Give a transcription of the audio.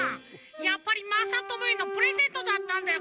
やっぱりまさともへのプレゼントだったんだよ